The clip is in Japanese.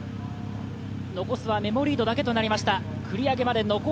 残すはメモリードだけとなりました。